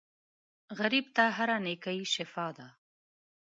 غریب ته هره نېکۍ شفاء ده